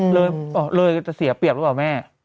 เลยออกเลยจะเสียเปรียบหรือเปล่าแม่